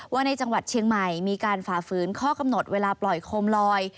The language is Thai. ในจังหวัดเชียงใหม่มีการฝ่าฝืนข้อกำหนดเวลาปล่อยโคมลอย